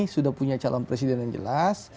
sudah punya calon presiden yang jelas